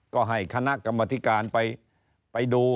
ก็ให้คณะกรรมธิการไปดู